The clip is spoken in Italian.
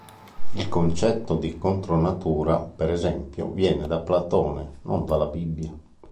Il concetto di "contro natura", per esempio, viene da Platone, non dalla Bibbia.